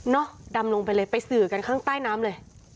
ดำลงไปเลยไปสื่อกันข้างใต้น้ำเลย